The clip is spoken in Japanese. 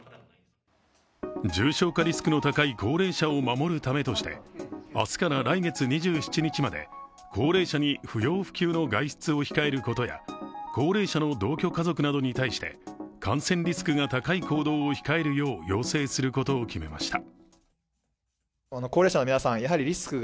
重症化リスクの高い高齢者を守るためとして明日から来月２７日まで、高齢者に不要不急の外出を控えることや高齢者の同居家族などに対して、感染リスクが高い行動を控えるよう要請することを決めました。